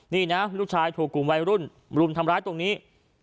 นี่นะลูกชายถูกกลุ่มวัยรุ่นรุมทำร้ายตรงนี้